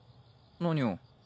何を？